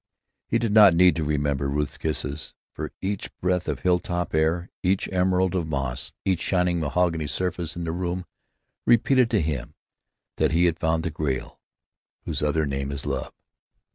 He did not need to remember Ruth's kisses. For each breath of hilltop air, each emerald of moss, each shining mahogany surface in the room, repeated to him that he had found the Grail, whose other name is love.